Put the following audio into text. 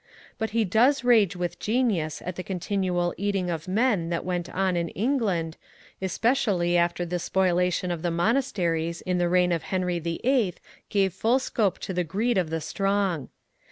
But he does rage with genius at the continual eating of men that went on in England, especially after the spoliation of the monasteries in the reign of Henry the Eighth gave full scope to the greed of the strong.